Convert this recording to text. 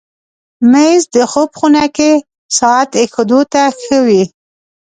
مېز د خوب خونه کې ساعت ایښودو ته ښه وي.